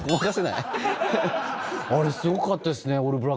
あれすごかったですね。